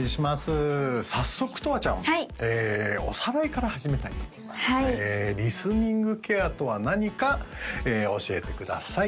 早速とわちゃんおさらいから始めたいと思いますリスニングケアとは何か教えてください